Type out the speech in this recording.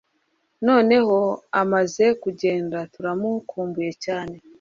Noneho amaze kugenda turamukumbuye cyane